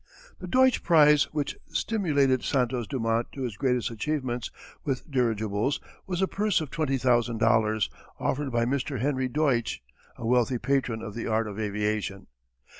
The Deutsch prize which stimulated Santos Dumont to his greatest achievements with dirigibles was a purse of twenty thousand dollars, offered by Mr. Henry Deutsch, a wealthy patron of the art of aviation.